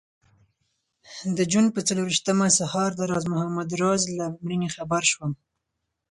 د جون پر څلرویشتمه سهار د راز محمد راز له مړینې خبر شوم.